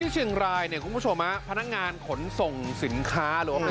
เชียงรายเนี่ยคุณผู้ชมฮะพนักงานขนส่งสินค้าหรือว่า